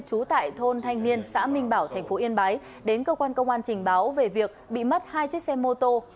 trú tại thôn thanh niên xã minh bảo thành phố yên bái đến cơ quan công an trình báo về việc bị mất hai chiếc xe mô tô